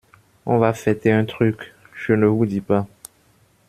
On va fêter un truc, je ne vous dis pas…